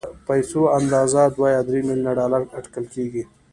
د پيسو اندازه دوه يا درې ميليونه ډالر اټکل کېږي.